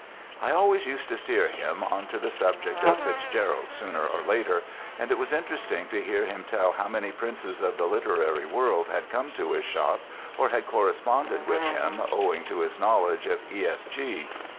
I always used to steer him onto the subject of FitzGerald sooner or later, and it was interesting to hear him tell how many princes of the literary world had come to his shop or had corresponded with him owing to his knowledge of E.F.G.